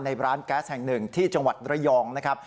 ในร้านแก๊สแห่งหนึ่งที่จังหวัดระยองนะครับ